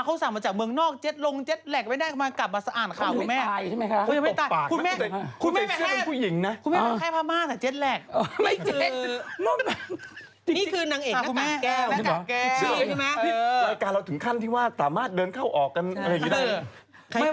เขาอุตส่าห์มาจากเมืองนอกแจ๊ดลงแจ๊ดแรกไม่ได้กลับมาอาสาหร์ด่ะครับ